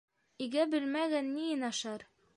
Игә белмәгән ниен ашар?